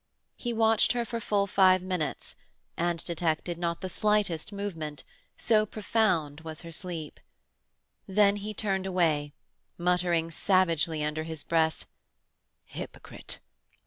He watched her for full five minutes, and detected not the slightest movement, so profound was her sleep. Then he turned away, muttering savagely under his breath, "Hypocrite!